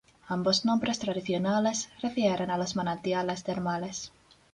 Ambos nombres tradicionales refieren a los manantiales termales.